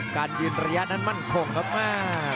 การยืนระยะนั้นมั่นคงครับแม่